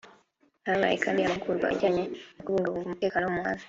Habaye kandi amahugurwa ajyanye no kubungabunga umutekano wo mu muhanda